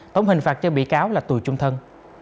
tổng hình phạt cho bị cáo là tù chung thân